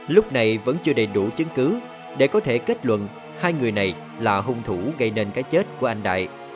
lúc này vẫn chưa đầy đủ chứng cứ để có thể kết luận hai người này là hung thủ gây nên cái chết của anh đại